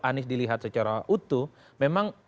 anies dilihat secara utuh memang